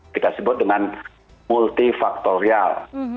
kita sebut dengan multifaktorial